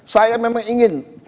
saya memang ingin